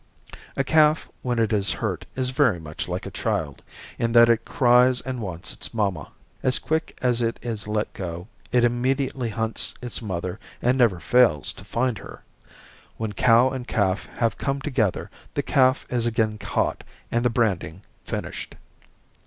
A calf when it is hurt is very much like a child, in that it cries and wants its mamma. As quick as it is let go it immediately hunts its mother and never fails to find her. When cow and calf have come together the calf is again caught and the branding finished.